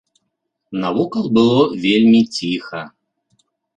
Навокал было вельмі ціха.